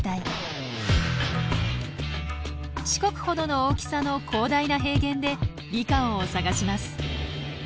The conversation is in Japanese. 四国ほどの大きさの広大な平原でリカオンを探します。